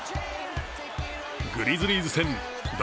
グリズリーズ戦、第